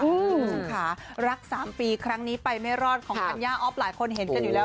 คุณผู้ชมค่ะรัก๓ปีครั้งนี้ไปไม่รอดของธัญญาอ๊อฟหลายคนเห็นกันอยู่แล้ว